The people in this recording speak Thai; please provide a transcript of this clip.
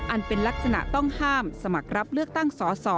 เป็นลักษณะต้องห้ามสมัครรับเลือกตั้งสอสอ